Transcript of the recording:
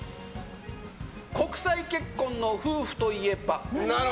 国際結婚の夫婦といえば？